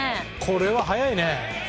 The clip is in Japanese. これは速いね！